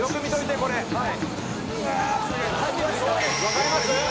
「わかります？」